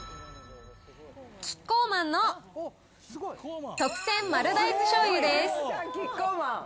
キッコーマンの特選丸大豆しょうゆです。